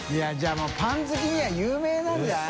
もうパン好きには有名なんじゃない？